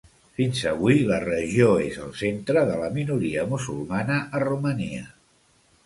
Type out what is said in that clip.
Fins avui la regió és el centre de la minoria musulmana a Romania.